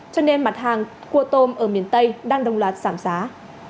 cho nên mặt hàng cua tôm ở miền tây đang đồng loạt giảm giá